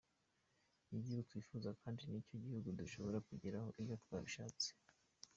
Igihugu twifuza kandi ni cyo gihugu dushobora kugeraho iyo twabishatse.